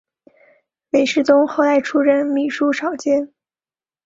韦士宗后来出任秘书少监。